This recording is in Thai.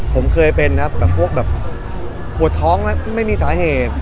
ผมเคยเป็นพวกแบบปวดท้องไม่มีสาเหตุ